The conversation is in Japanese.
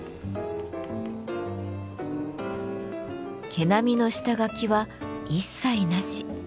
毛並みの下書きは一切なし。